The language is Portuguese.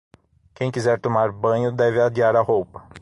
Quem quiser tomar banho deve adiar a roupa.